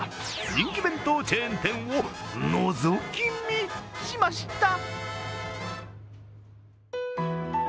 人気弁当チェーン店をのぞき見しました。